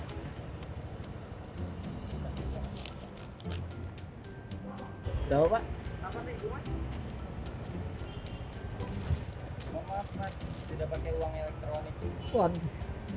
tidak pakai uang elektronik juga nih